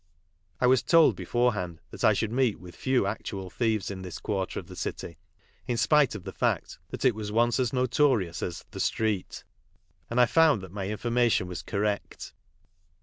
I was told beforehand that I should meet with few actual thieves in this quarter of the city, in spite of the fact that it was once as notorious as the Street, and I found that my information was correct.